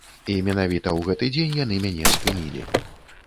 І менавіта ў гэты дзень яны мяне спынілі.